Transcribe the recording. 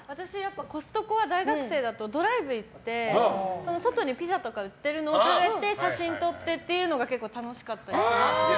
コストコは大学生だとドライブ行って外にピザとか売ってるのを食べて写真を撮ってというのが楽しかったです。